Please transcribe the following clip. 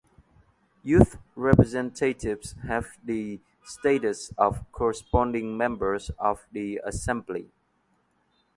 Youth representatives have the status of corresponding members of the Assembly.